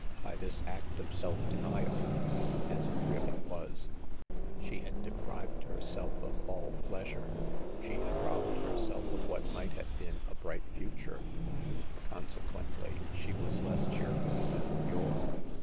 By this act of self denial, as it really was, she had de prived herself of all pleasure ; she had robbed herself of what might have been a bright future ; consequently she was less cheerful than of yore.